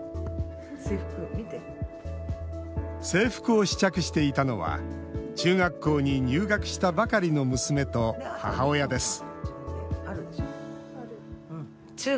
制服を試着していたのは中学校に入学したばかりの娘と母親です